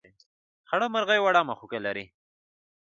خړه مرغۍ وړه مښوکه لري.